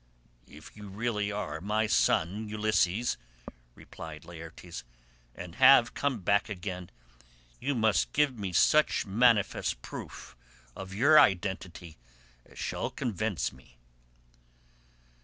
"If you really are my son Ulysses," replied Laertes, "and have come back again, you must give me such manifest proof of your identity as shall convince me."